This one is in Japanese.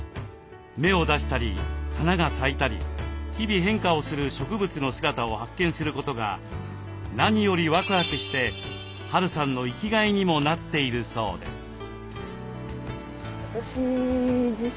芽を出したり花が咲いたり日々変化をする植物の姿を発見することが何よりワクワクしてＨ・Ａ・Ｒ・Ｕさんの生きがいにもなっているそうです。